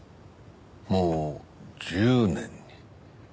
もう１０年に。